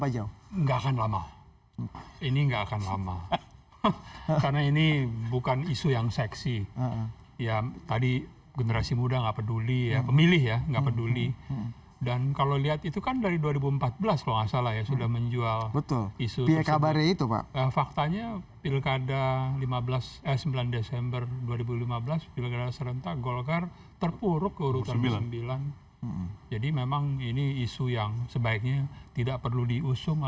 jangan dijawab dulu